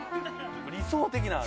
理想的な味